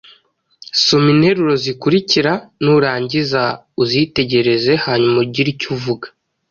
Soma interuro zikurikira nurangiza uzitegereze hanyuma ugire icyo uvuga